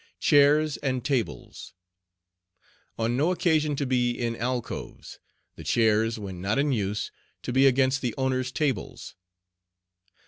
CHAIRS and TABLES On no occasion to be in alcoves, the chairs, when not in use, to be against the owners' tables.